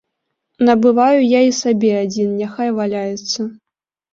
Набываю я і сабе адзін, няхай валяецца.